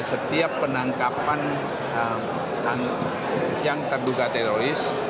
setiap penangkapan yang terduga teroris